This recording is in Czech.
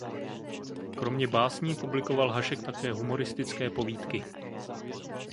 Kromě básní publikoval Hašek také humoristické povídky.